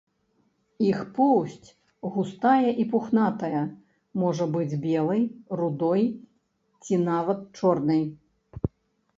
Іх поўсць густая і пухнатая, можа быць белай, рудой ці нават чорнай.